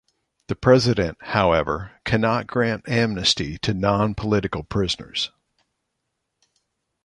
The president, however, cannot grant amnesty to non-political prisoners.